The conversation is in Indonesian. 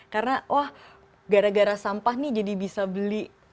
karena wah gara gara sampah nih jadi bisa beli